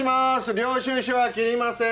領収書は切りません。